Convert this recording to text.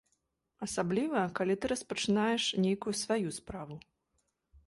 Асабліва, калі ты распачынаеш нейкую сваю справу.